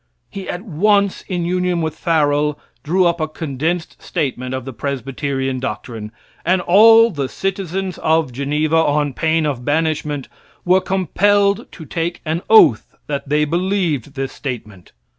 He at once, in union with Farel, drew up a condensed statement of the Presbyterian doctrine, and all the citizens of Geneva, on pain of banishment, were compelled to take an oath that they, believed this statement.